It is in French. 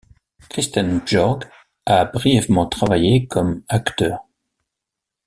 Kristen Bjorn a brièvement travaillé comme acteur.